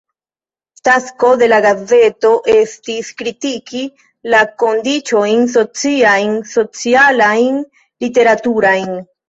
Tasko de la gazeto estis kritiki la kondiĉojn sociajn, socialajn, literaturajn.